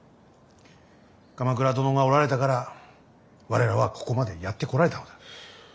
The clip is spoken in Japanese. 鎌倉殿がおられたから我らはここまでやってこられたのだ。